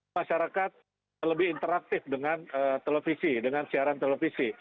masyarakat lebih interaktif dengan televisi dengan siaran televisi